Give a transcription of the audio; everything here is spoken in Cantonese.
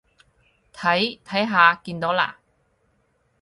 睇，睇下，見到啦？